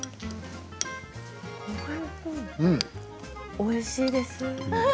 おいしいです。